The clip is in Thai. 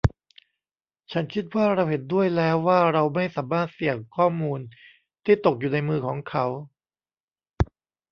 ฉันคิดว่าเราเห็นด้วยแล้วว่าเราไม่สามารถเสี่ยงข้อมูลที่ตกอยู่ในมือของเขา